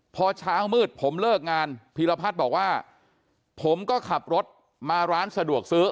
พอเช้ามืดผมเลิกงานพีรพัฒน์บอกว่าผมก็ขับรถมาร้านสะดวกซื้อ